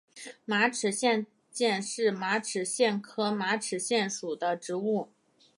毛马齿苋是马齿苋科马齿苋属的植物。